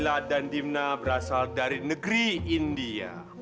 ila dan dimna berasal dari negeri india